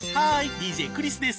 ＤＪクリスです。